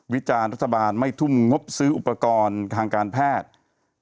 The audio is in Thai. วิจารณ์รัฐบาลไม่ทุ่มงบซื้ออุปกรณ์ทางการแพทย์